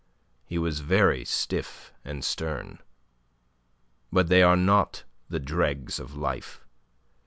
He was very, stiff and stern. "But they are not the dregs of life.